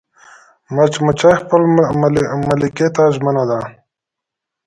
مچمچۍ خپل ملکې ته ژمنه ده